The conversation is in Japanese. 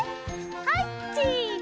はいチーズ！